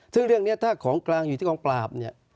ซึ่งเรื่องนี้ถ้าของกลางอยู่ที่กองปราบเนี่ย